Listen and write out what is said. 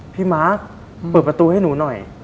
พี่มากเปิดประตูให้หนูหน่อย